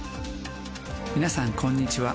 皆さん、こんにちは。